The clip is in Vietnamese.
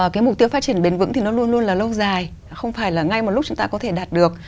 cái mục tiêu phát triển bền vững thì nó luôn luôn là lâu dài không phải là ngay một lúc chúng ta có thể đạt được